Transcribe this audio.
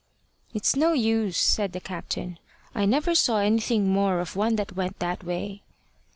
"It's no use," said the captain. "I never saw anything more of one that went that way."